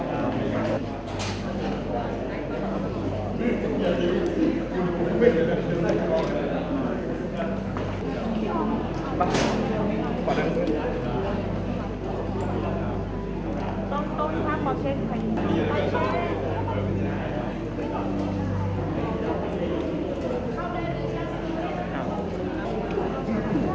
ขอบคุณทุกคนทั้งหลังต้องทั้งหลังด้วยนะครับ